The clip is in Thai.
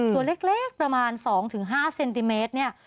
ตัวเล็กประมาณ๒๕เซนติเมตรเนี่ย